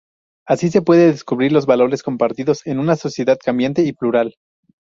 Así se puede descubrir los valores compartidos en una sociedad cambiante y plural.